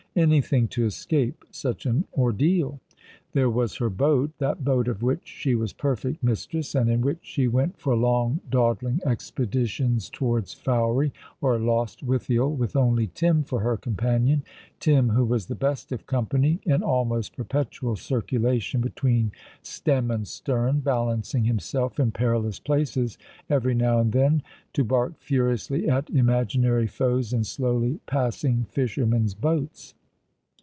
Anything to escape such an ordeal ! There was her boat— that boat of which she was perfect mistress, and in which she went for long, dawdling expeditions towards Fowey or Lostwithiel with only Tim for her companion — Tim, who was the best of company, in almost perpetual cir culation between stem and stern, balancing himself in perilous places every now and then, to bark furiously at imaginary foes in slowly passing fishermen's boats.